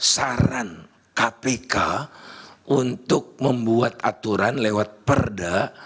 saran kpk untuk membuat aturan lewat perda